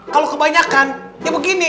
kalau kebanyakan ya begini